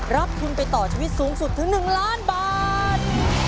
รับทุนไปต่อชีวิตสูงสุดถึง๑ล้านบาท